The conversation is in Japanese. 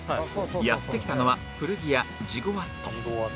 やって来たのは古着屋ジゴワット